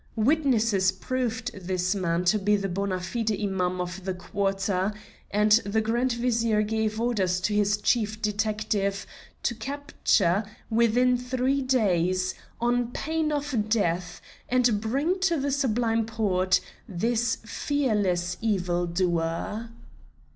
Witnesses proved this man to be the bona fide Imam of the quarter, and the Grand Vizier gave orders to his Chief Detective to capture, within three days, on pain of death, and bring to the Sublime Porte, this fearless evil doer.